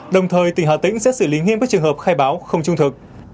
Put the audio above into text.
đồng thời tỉnh hà tĩnh sẽ xử lý nghiêm các trường hợp khai báo không trung thực